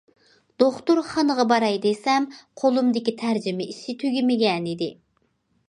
دوختۇرخانىغا باراي دېسەم قولۇمدىكى تەرجىمە ئىشى تۈگىمىگەنىدى.